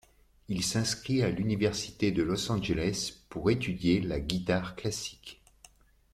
Il s'inscrit à l'université de Los Angeles pour étudier la guitare classique.